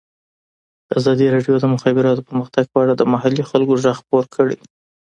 ازادي راډیو د د مخابراتو پرمختګ په اړه د محلي خلکو غږ خپور کړی.